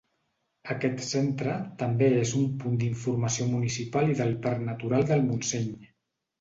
Aquest centre també és un punt d'informació municipal i del Parc Natural del Montseny.